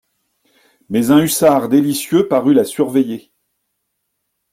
Mais un hussard délicieux parut la surveiller.